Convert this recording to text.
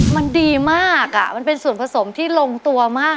มันดีมากมันเป็นส่วนผสมที่ลงตัวมาก